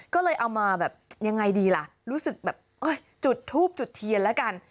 ก็เลยเอามาแบบยังไงดีล่ะรู้สึกแบบจุดทูบจุดเทียนแล้วกัน